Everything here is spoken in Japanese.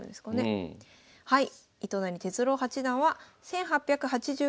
はい。